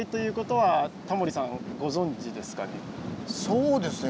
そうですね